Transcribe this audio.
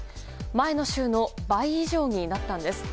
前の週の倍以上になったんです。